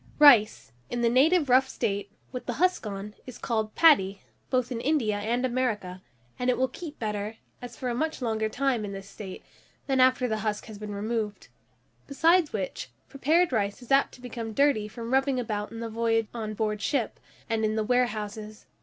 RICE, in the native rough state, with the husk on, is called paddy, both in India and America, and it will keep better, and for a much longer time, in this state, than after the husk has been removed; besides which, prepared rice is apt to become dirty from rubbing about in the voyage on board ship, and in the warehouses.